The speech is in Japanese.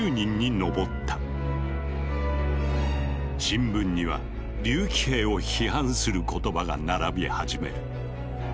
新聞には竜騎兵を批判する言葉が並び始める。